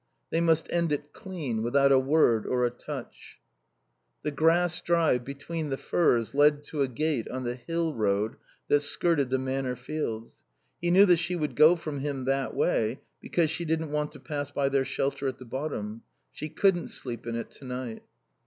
They must end it clean, without a word or a touch. The grass drive between the firs led to a gate on the hill road that skirted the Manor fields. He knew that she would go from him that way, because she didn't want to pass by their shelter at the bottom. She couldn't sleep in it tonight.